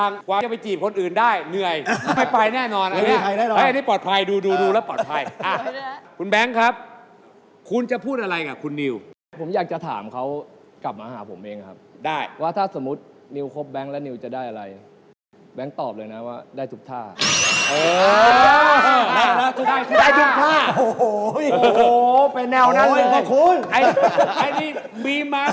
อันนี้มีมากับเล่นไปเรื่อยเลยครับ